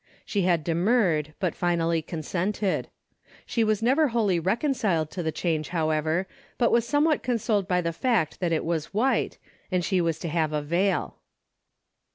She had demurred, but finally consented. She was never wholly reconciled to the change, 338 A DAILY BATEA^ however, but was somewhat consoled by the fact that it was white and she was to have a veil.